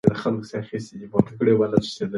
د خپګان او خواشینۍ کچه لوړه ده.